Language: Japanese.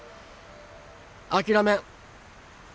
諦めん。